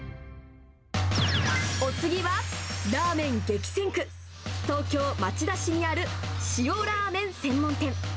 お次はラーメン激戦区、東京・町田市にある塩ラーメン専門店。